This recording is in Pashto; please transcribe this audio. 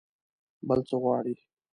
بل څه غواړئ؟